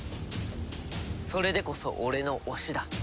それでこそ俺の推しだ。